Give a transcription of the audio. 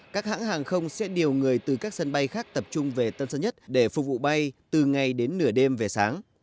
các hãng hàng không sẽ điều người từ các sân bay khác tập trung về tân sơn nhất để phục vụ bay từ ngay đến nửa đêm về sáng